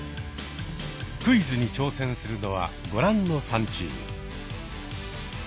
クイズに挑戦するのはご覧の３チーム。